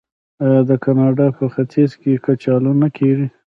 آیا د کاناډا په ختیځ کې کچالو نه کیږي؟